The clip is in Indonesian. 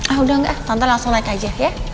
ah udah nggak tante langsung naik aja ya